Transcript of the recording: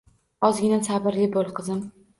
Ozgina sabrli bo`l, qizim